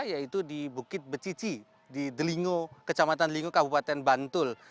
yaitu di bukit becici di delingo kecamatan delingo kabupaten bantul